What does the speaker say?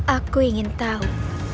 aku ingin tahu